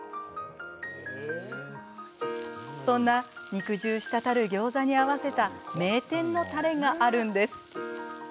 そんな肉汁滴るギョーザに合わせた名店のたれがあるんです。